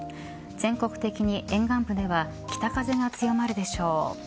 全国的に沿岸部では北風が強まるでしょう。